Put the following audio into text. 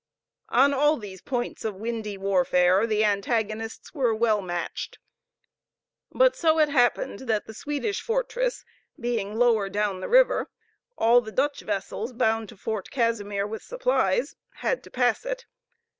On all these points of windy warfare the antagonists were well matched; but so it happened that the Swedish fortress being lower down the river, all the Dutch vessels, bound to Fort Casimir with supplies, had to pass it.